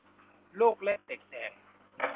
ลูกเล็กเด็กแดง